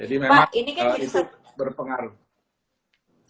jadi memang itu berpengaruh